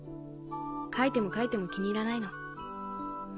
描いても描いても気に入らないの。